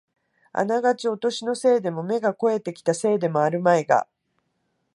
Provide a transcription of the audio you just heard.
あながちお年のせいでも、目が肥えてきたせいでもあるまいが、